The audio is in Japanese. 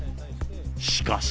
しかし。